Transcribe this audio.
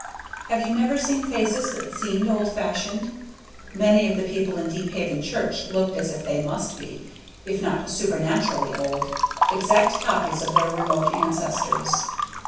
Have you never seen faces that seemed old fashioned? Many of the people in Deephaven church looked as if they must be if not supernaturally old exact copies of their remote ancestors.